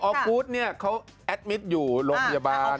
ออกุ้ยเขาอัดมิตรอยู่โรงพยาบาล